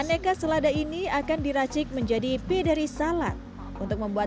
untuk membuat salad ini saya akan membuat selada yang berbeda dengan selada yang ada di indonesia